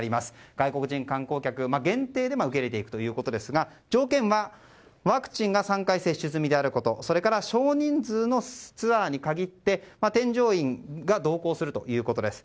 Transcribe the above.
外国人観光客限定で受け入れていくということですが条件はワクチンが３回接種済みであることそれから少人数のツアーに限って添乗員が同行するということです。